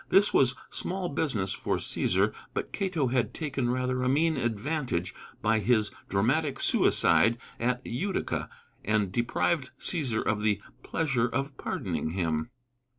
This was small business for Cæsar, but Cato had taken rather a mean advantage by his dramatic suicide at Utica, and deprived Cæsar of the "pleasure of pardoning him."